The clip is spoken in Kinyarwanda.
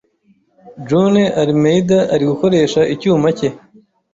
June Almeida ari gukoresha icyuma cye